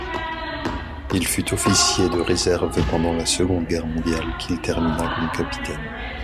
Il fut officier de réserve pendant la Seconde Guerre mondiale qu’il termina comme capitaine.